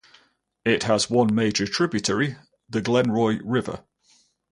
It has one major tributary, the Glenroy River.